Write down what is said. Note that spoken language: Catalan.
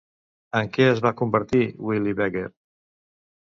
En què es va convertir Willy Begert?